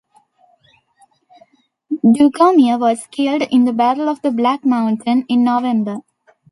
Dugommier was killed in the Battle of the Black Mountain in November.